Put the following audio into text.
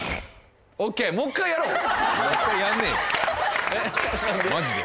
もう一回やんねえよえっ何で？